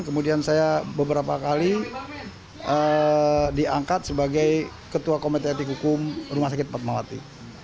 kemudian saya beberapa kali diangkat sebagai ketua komite etik hukum rumah sakit fatmawati